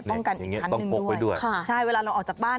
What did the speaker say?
ป้องกันอีกชั้นหนึ่งด้วยใช่เวลาเราออกจากบ้าน